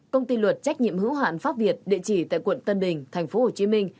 công ty luật trách nhiệm hữu hạn pháp việt địa chỉ tại quận tân bình thành phố hồ chí minh